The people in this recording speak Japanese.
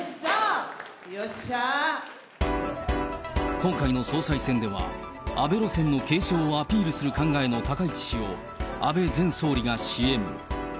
今回の総裁選では、安倍路線の継承をアピールする考えの高市氏を、安倍前総理が支援。